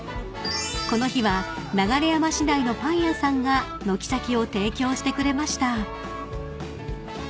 ［この日は流山市内のパン屋さんが軒先を提供してくれました］